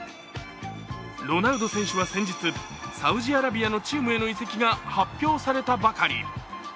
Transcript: ロナウド選手は先日サウジアラビアへのチームへの移籍が発表されたばかり。